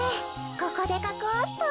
ここでかこうっと。